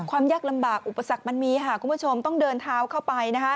ความยากลำบากอุปสรรคมันมีค่ะคุณผู้ชมต้องเดินเท้าเข้าไปนะคะ